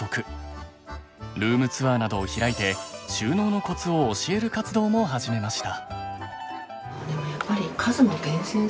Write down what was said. ルームツアーなどを開いて収納のコツを教える活動も始めました。